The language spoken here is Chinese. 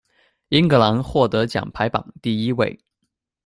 英格兰获得奖牌榜第一位。